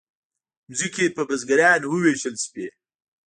ځمکې په بزګرانو وویشل شوې.